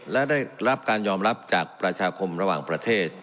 และได้รับการยอมรับจากประชาคมระหว่างประเทศ